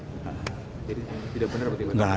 jadi tidak benar apa